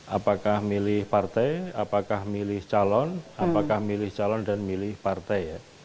apakah milih partai apakah milih calon apakah milih calon dan milih partai